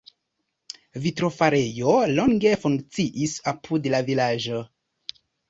Vitrofarejo longe funkciis apud la vilaĝo.